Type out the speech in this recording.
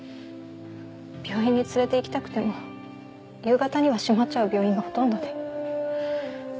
病院に連れていきたくても夕方には閉まっちゃう病院がほとんどで。